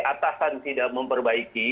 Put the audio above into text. atasan tidak memperbaiki